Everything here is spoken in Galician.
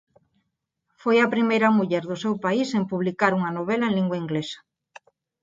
Foi a primeira muller do seu país en publicar unha novela en lingua inglesa.